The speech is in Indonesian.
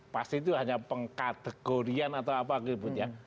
pasti itu hanya pengkategorian atau apapun ya